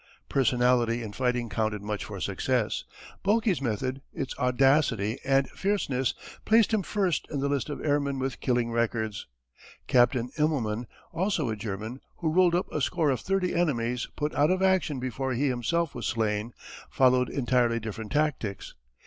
Personality in fighting counted much for success. Boelke's method, its audacity and fierceness, placed him first in the list of airmen with killing records. Captain Immelman, also a German, who rolled up a score of thirty enemies put out of action before he himself was slain, followed entirely different tactics.